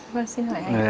vâng xin hỏi anh